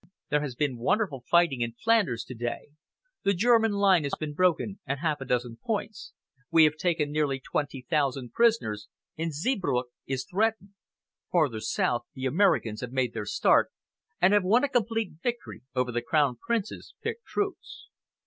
There has been wonderful fighting in Flanders to day. The German line has been broken at half a dozen points. We have taken nearly twenty thousand prisoners, and Zeebrugge is threatened. Farther south, the Americans have made their start and have won a complete victory over the Crown Prince's picked troops."